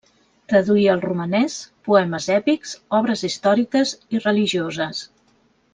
Traduí al romanès poemes èpics, obres històriques i religioses.